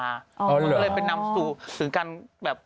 อ๋อเหรอมันก็เลยเป็นนำสู่ถึงการแบบ